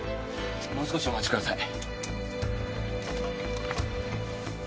もう少しお待ちください。